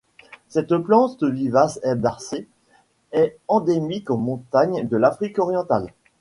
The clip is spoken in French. Cette plante vivace herbacée est endémique aux montagnes de l'Afrique orientale.